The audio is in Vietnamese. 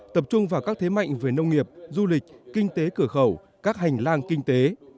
tập trung vào các thế mạnh về nông nghiệp du lịch kinh tế cửa khẩu các hành lang kinh tế